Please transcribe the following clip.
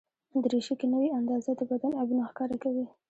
دریشي که نه وي اندازه، د بدن عیبونه ښکاره کوي.